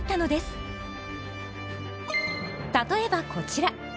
例えばこちら。